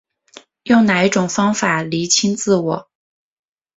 用哪一种方法厘清自我